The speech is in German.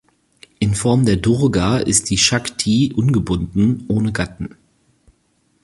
In Form der Durga ist die Shakti ungebunden, ohne Gatten.